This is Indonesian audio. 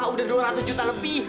udah dua ratus juta lebih